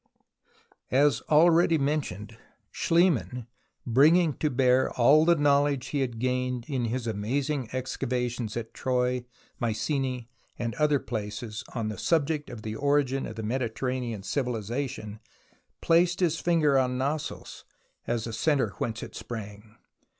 As already mentioned, Schliemann, bringing all the knowledge he had gained in his amazing excavations at Troy, at Mycense and other places, to bear on the subject of the origin of the Mediterranean civilization, placed his finger on Knossos as the centre whence it sprang.